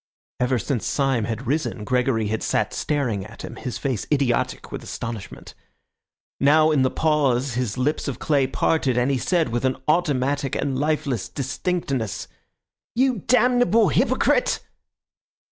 Ever since Syme had risen Gregory had sat staring at him, his face idiotic with astonishment. Now in the pause his lips of clay parted, and he said, with an automatic and lifeless distinctness— "You damnable hypocrite!"